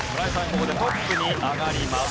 ここでトップに上がります。